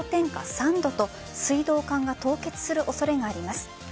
３度と水道管が凍結する恐れがあります。